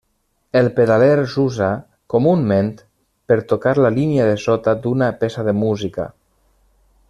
El pedaler s'usa comunament per tocar la línia de sota d'una peça de música.